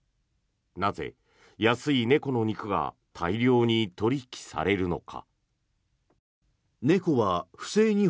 なぜ、安い猫の肉が大量に取引されるのか。